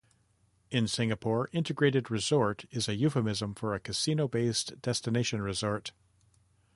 In Singapore, "integrated resort" is a euphemism for a casino-based destination resort.